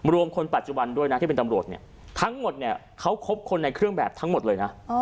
คนปัจจุบันด้วยนะที่เป็นตำรวจเนี่ยทั้งหมดเนี่ยเขาคบคนในเครื่องแบบทั้งหมดเลยนะ